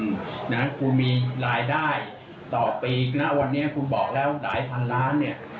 จึงคุณมีรายละลายต่อปีกนะวันนี้คุณบอกหลายพันล้าน